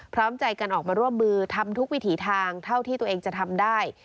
พร้อมใจกันออกมาร่วมมือทำทุกวิถีทางเท่าที่ตัวเองจะทำได้